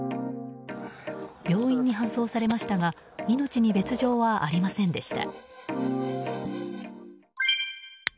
病院に搬送されましたが命に別条はありませんでした。